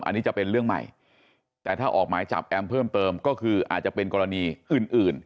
อันนี้จะเป็นเรื่องใหม่แต่ถ้าออกหมายจับแอมเพิ่มเติมก็คืออาจจะเป็นกรณีอื่นอื่น